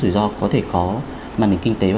rủi ro có thể có màn hình kinh tế và